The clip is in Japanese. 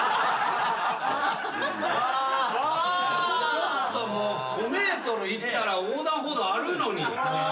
ちょっともう５ｍ行ったら横断歩道あるのに。